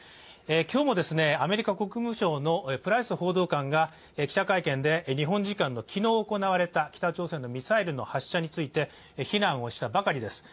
今日もアメリカ国務省のプライス報道官が記者会見で、日本時間の昨日行われたミサイルの発射について非難をしたばかりです。